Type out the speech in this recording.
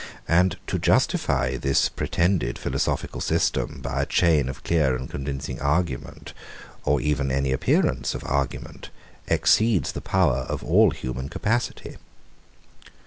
And to justify this pretended philosophical system, by a chain of clear and convincing argument, or even any appearance of argument, exceeds the power of all human capacity.